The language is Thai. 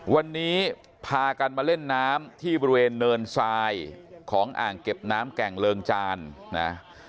วันนี้พากันมาเล่นน้ำที่บริเวณเนินทรายของอ่างเก็บน้ำแก่งเริงจานนะ